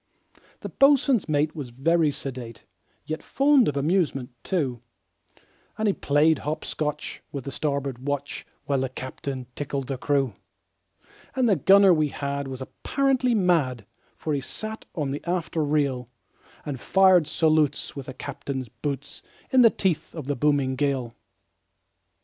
The boatswain's mate was very sedate, Yet fond of amusement, too; And he played hop scotch with the starboard watch, While the captain tickled the crew. And the gunner we had was apparently mad, For he sat on the after rail, And fired salutes with the captain's boots, In the teeth of the booming gale.